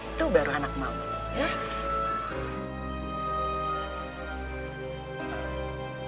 itu baru anak mama